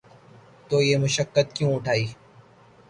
تو یہ مشقت کیوں اٹھائی؟